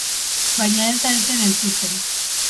Baina ez da ezer entzuten.